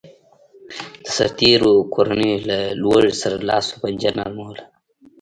د سرتېرو کورنیو له لوږې سره لاس و پنجه نرموله